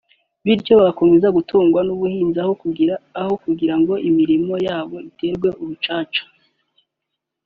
bityo bagakomeza gutungwa n’ubuhinzi aho kugira ngo imirima yabo iterwe urucaca